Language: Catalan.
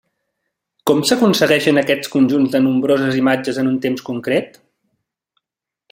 Com s'aconsegueixen aquests conjunts de nombroses imatges en un temps concret?